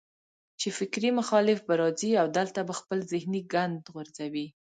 چې فکري مخالف به راځي او دلته به خپل ذهني ګند غورځوي